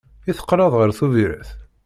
I teqqleḍ ɣer Tubiret?